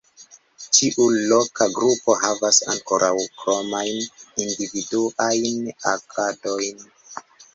Ĉiu loka grupo havas ankoraŭ kromajn individuajn agadojn.